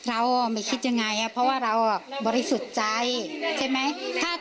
เราไม่คิดยังไงเพราะว่าเราบริสุทธิ์ใจใช่ไหม